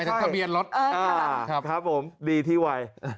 ดอมก็ชอบ๖๙นะเออใช่เออครับผมดีที่ไว